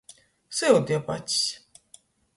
Syudi ap acs.